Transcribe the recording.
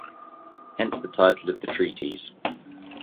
Hence the title of the treatise.